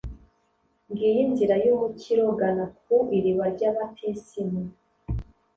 ngiyi inzira y'umukiro, gana ku iriba rya batisimu